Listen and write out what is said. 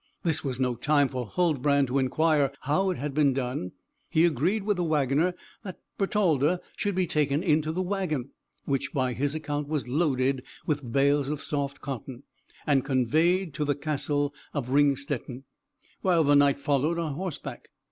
This was no time for Huldbrand to inquire how it had been done. He agreed with the wagoner that Bertalda should be taken into the wagon, which by his account was loaded with bales of soft cotton, and conveyed to the Castle of Ringstetten, while the Knight followed on horseback.